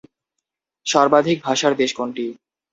সর্বাধিক ভাষার দেশ কোনটি?